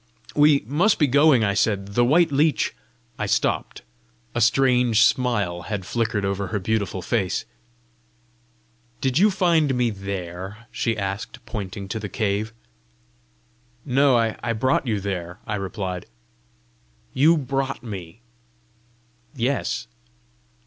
"We must be going!" I said. "The white leech " I stopped: a strange smile had flickered over her beautiful face. "Did you find me there?" she asked, pointing to the cave. "No; I brought you there," I replied. "You brought me?" "Yes."